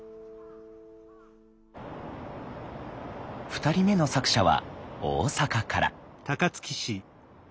２人目の作者は大阪から。